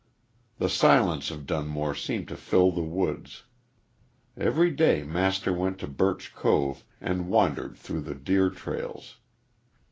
The silence of Dunmore seemed to fill the woods. Every day Master went to Birch Cove and wandered through the deer trails.